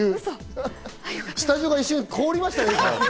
スタジオが一瞬凍りました、今。